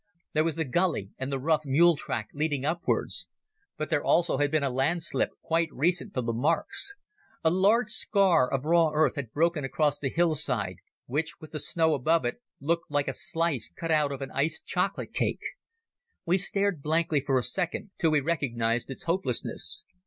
There was the gully and the rough mule track leading upwards. But there also had been a landslip, quite recent from the marks. A large scar of raw earth had broken across the hillside, which with the snow above it looked like a slice cut out of an iced chocolate cake. We stared blankly for a second, till we recognized its hopelessness.